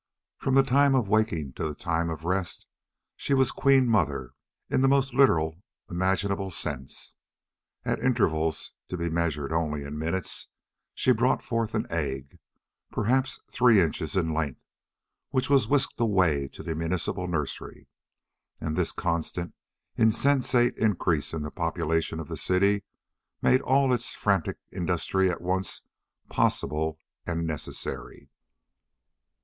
From the time of waking to the time of rest she was queen mother in the most literal imaginable sense. At intervals, to be measured only in minutes, she brought forth an egg, perhaps three inches in length, which was whisked away to the municipal nursery. And this constant, insensate increase in the population of the city made all its frantic industry at once possible and necessary.